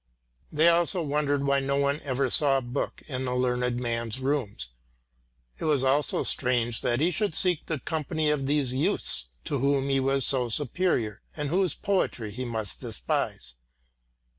They also wondered why no one ever saw a book in the learned man's rooms. It was also strange that he should seek the company of these youths, to whom he was so superior, and whose poetry he must despise.